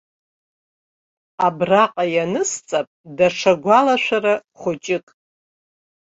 Абраҟа инацысҵап даҽа гәалашәара хәыҷык.